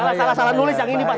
salah salah nulis yang ini pak